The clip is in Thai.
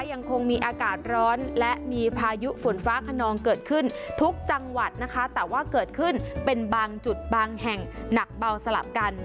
ยังคงมีอากาศร้อนและมีพายุฝนฟ้าขนองเกิดขึ้นทุกจังหวัดนะคะแต่ว่าเกิดขึ้นเป็นบางจุดบางแห่งหนักเบาสลับกัน